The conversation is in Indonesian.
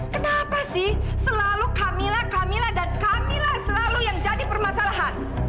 kenapa sih selalu camillah kamila dan kamilah selalu yang jadi permasalahan